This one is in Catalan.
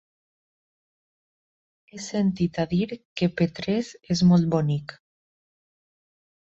He sentit a dir que Petrés és molt bonic.